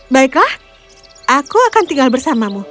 baiklah aku akan tinggal bersamamu